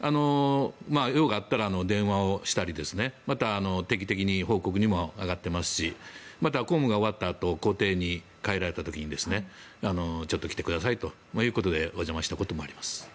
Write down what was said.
用があったら電話をしたりまた定期的に報告にも上がっていますしまた、公務が終わったあと公邸に帰られた時にちょっと来てくださいということでお邪魔したこともあります。